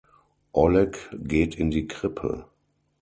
Oleg geht in die Krippe.